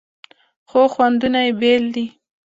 خو خوندونه یې بیل دي.